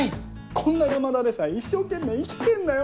こんな山田でさえ一生懸命生きてんだよ。